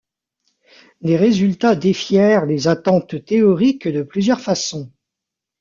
Les résultats défièrent les attentes théoriques de plusieurs façons.